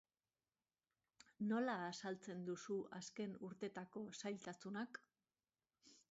Nola azaltzen duzu azken urteetako zailtasunak?